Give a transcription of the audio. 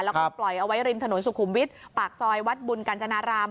แล้วก็ปล่อยเอาไว้ริมถนนสุขุมวิทย์ปากซอยวัดบุญกัญจนาราม